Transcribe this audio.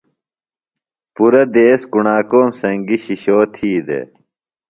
پُرہ دیس کُݨاکوم سنگیۡ شِشو تھی دےۡ۔